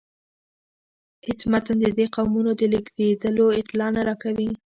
هیڅ متن د دې قومونو د لیږدیدلو اطلاع نه راکوي.